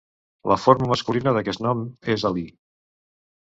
La forma masculina d'aquest nom és Alí.